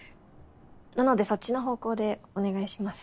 なのでそっちの方向でお願いします。